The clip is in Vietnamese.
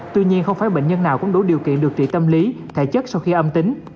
tuy nhiên không phải bệnh nhân nào cũng đủ điều kiện được trị tâm lý thể chất sau khi âm tính